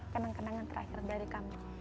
kenang kenangan terakhir dari kami